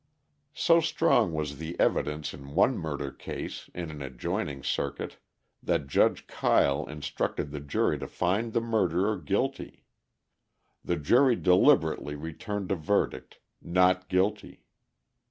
So strong was the evidence in one murder case in an adjoining circuit that Judge Kyle instructed the jury to find the murderer guilty; the jury deliberately returned a verdict, "Not guilty."